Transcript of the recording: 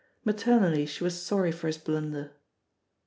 Maternally she was sorry for his blunder.